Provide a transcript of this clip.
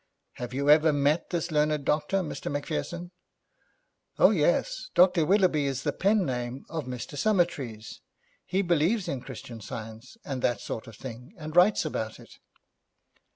'Have you ever met this learned doctor, Mr. Macpherson?' 'Oh, yes. Dr. Willoughby is the pen name of Mr. Summertrees. He believes in Christian Science and that sort of thing, and writes about it.'